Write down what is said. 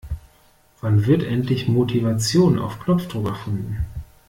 Wann wird endlich Motivation auf Knopfdruck erfunden?